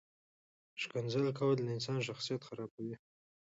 ښکنځل کول د انسان شخصیت خرابوي.